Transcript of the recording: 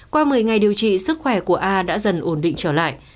qua một mươi ngày điều trị sức khỏe của a đã dần ổn định trở lại